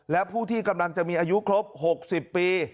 และผู้ที่กำลังจะมีอายุครบ๖๐ปี